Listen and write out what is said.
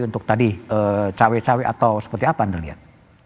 untuk tadi cawe cawe atau seperti apa anda lihat